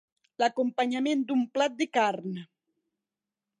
L'acompanyament d'un plat de carn.